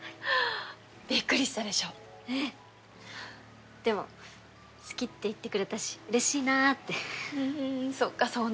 びっくりしたでしょええでも好きって言ってくれたしうれしいなってうんうんそっかそうなるよね